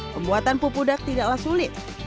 pembuatan pupuda tidaklah sulit